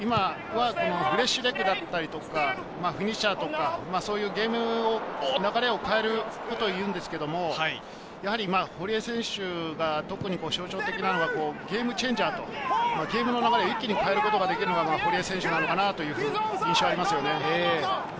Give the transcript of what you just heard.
今はフレッシュレッグだったり、そういったゲームの流れを変えることを言うんですけど、堀江選手が特に象徴的なのがゲームチェンジャーというゲームの流れを一気に変えることができるのが堀江選手なのかなという印象がありますよね。